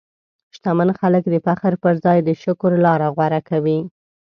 شتمن خلک د فخر پر ځای د شکر لاره غوره کوي.